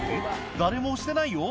誰も押してないよ？